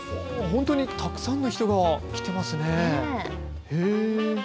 本当にたくさんの人が来てますね。